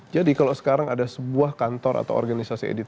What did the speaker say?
jadi kalau sekarang ada sebuah kantor atau organisasi editor